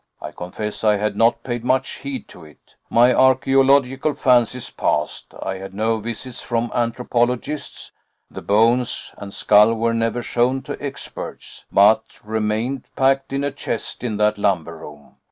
I confess I had not paid much heed to it. My archæological fancies passed; I had no visits from anthropologists; the bones and skull were never shown to experts, but remained packed in a chest in that lumber room.